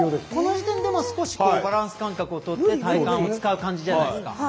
この時点でもバランス感覚をとって体幹を使う感じじゃないですか。